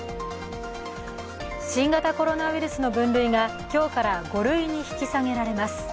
新型コロナウイルスの分類が今日から５類に引き下げられます。